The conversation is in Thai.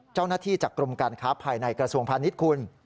เจ้าหน้าที่จากกรมการค้าภัยในกระทรวงพาณิชคุณ